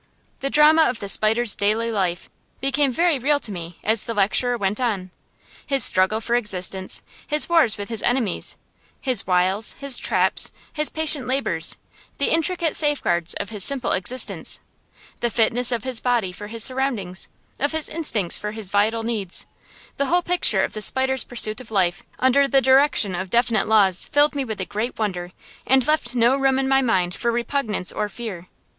The drama of the spider's daily life became very real to me as the lecturer went on. His struggle for existence; his wars with his enemies; his wiles, his traps, his patient labors; the intricate safeguards of his simple existence; the fitness of his body for his surroundings, of his instincts for his vital needs the whole picture of the spider's pursuit of life under the direction of definite laws filled me with a great wonder and left no room in my mind for repugnance or fear.